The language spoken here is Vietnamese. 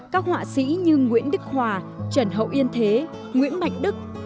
các họa sĩ như nguyễn đức hòa trần hậu yên thế nguyễn mạnh đức